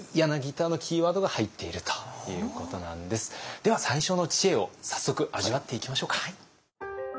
では最初の知恵を早速味わっていきましょうか。